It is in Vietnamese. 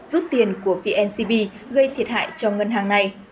rút tiền của vncb gây thiệt hại cho ngân hàng này